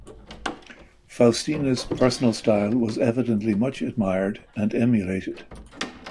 Faustina's personal style was evidently much admired and emulated.